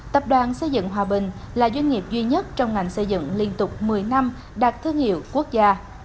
tập đoàn xây dựng hòa bình là doanh nghiệp duy nhất trong ngành xây dựng liên tục một mươi năm đạt thương hiệu quốc gia